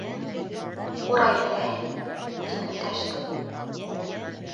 Урай беләһегеҙме? - тип өндәште.